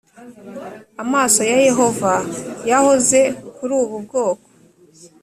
Amaso ya Yehova yahoze kuri ubu bwoko